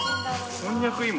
こんにゃく芋？